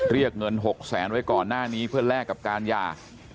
เรียกเงิน๖๐๐๐๐๐บาทไว้ก่อนหน้านี้เพื่อแลกกับการยา